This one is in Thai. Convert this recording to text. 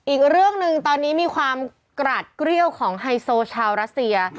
อีกเรื่องหนึ่งตอนนี้มีความกราดเกรี้ยวของไฮโซชาวรัสเซีย